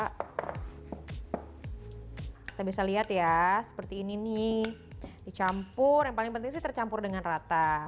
kita bisa lihat ya seperti ini nih dicampur yang paling penting sih tercampur dengan rata